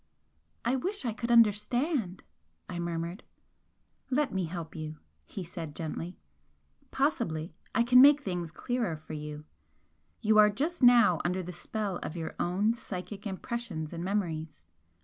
"I wish I could understand," I murmured. "Let me help you," he said, gently. "Possibly I can make things clearer for you. You are just now under the spell of your own psychic impressions and memories.